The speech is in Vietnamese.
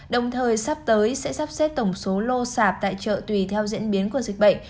đồng thời sắp tới sẽ sắp xếp tổng số lô sạp tại chợ tùy theo diễn biến của dịch bệnh